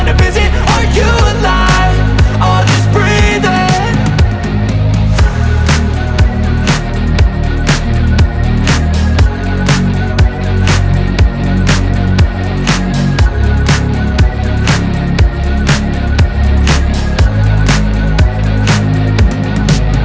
ibu ingin mencoba